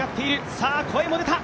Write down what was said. さぁ、声も出た。